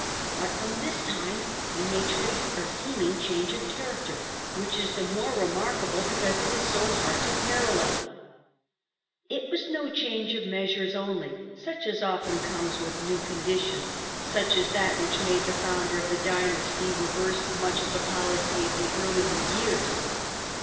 But from this time we may trace a seeming change of character, which is the more remarkable because it is so hard to parallel. It was no change of measures only, such as often comes with new conditions, such as that not a mere ^^ chamgeof which made the founder of the dynasty reverse much of the policy of earlier years.